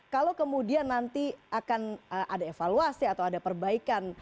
kalau kemudian nanti akan ada evaluasi atau ada perbaikan